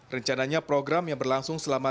rencananya program yang berlangsung selama